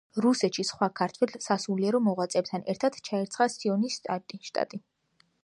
რუსეთში სხვა ქართველ სასულიერო მოღვაწეებთან ერთად ჩაირიცხა სინოდის შტატში.